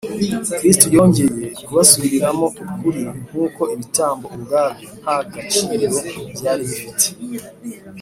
kristo yongeye kubasubiriramo ukuri k’uko ibitambo ubwabyo nta gaciro byari bifite